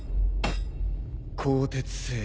鋼鉄製。